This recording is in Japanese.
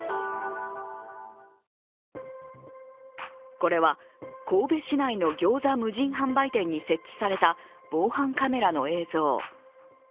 これは神戸市内のギョーザ無人販売店に設置された防犯カメラの映像。